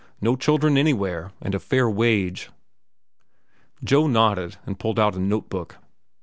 No children anywhere. And a fair wage." Joe nodded and pulled out a note book.